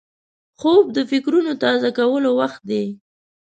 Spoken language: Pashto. خوب د فکرونو تازه کولو وخت دی